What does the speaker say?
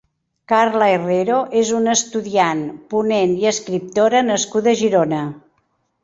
Carla Herrero és una estudiant, ponent i escriptora nascuda a Girona.